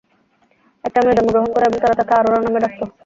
একটা মেয়ে জন্মগ্রহণ করে এবং তারা তাকে অরোরা নামে ডাকতো।